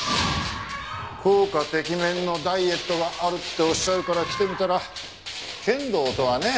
効果てきめんのダイエットがあるっておっしゃるから来てみたら剣道とはね。